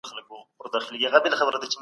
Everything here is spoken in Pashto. دغو ناستو به د ولس ترمنځ د نفاق اور مړ کاوه.